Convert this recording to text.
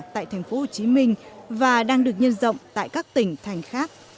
tại thành phố hồ chí minh và đang được nhân rộng tại các tỉnh thành khác